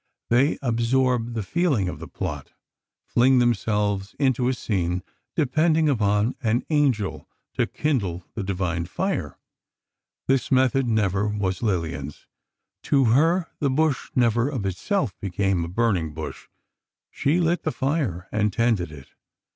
They absorb the feeling of the plot, fling themselves into a scene, depending upon an angel to kindle the divine fire. This method never was Lillian's. To her, the bush never of itself became a burning bush. She lit the fire and tended it.